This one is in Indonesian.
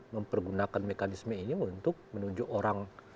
mempergunakan mekanisme ini untuk menunjuk orang